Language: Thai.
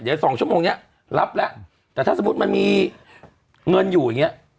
เดี๋ยวสองชั่วโมงเนี้ยรับแล้วแต่ถ้าสมมุติมันมีเงินอยู่อย่างเงี้ย